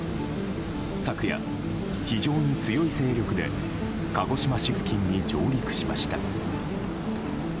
昨夜、非常に強い勢力で鹿児島市付近に上陸しました。